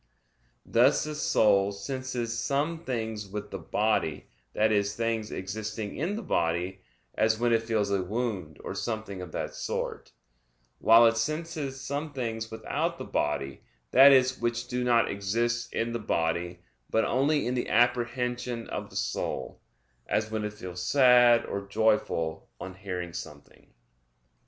Thus the soul senses some things with the body, that is, things existing in the body, as when it feels a wound or something of that sort; while it senses some things without the body, that is, which do not exist in the body, but only in the apprehension of the soul, as when it feels sad or joyful on hearing something.